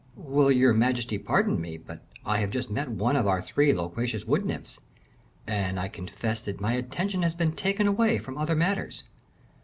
"Will your majesty pardon me; but I have just met one of our three loquacious wood nymphs, and I confess that my attention has been taken away from other matters."